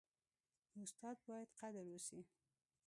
د استاد باید قدر وسي.